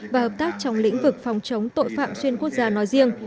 và hợp tác trong lĩnh vực phòng chống tội phạm xuyên quốc gia nói riêng